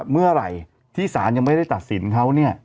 ไม่ได้ตัดสินเขาเนี่ย